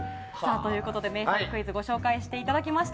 名作クイズをご紹介していただきました。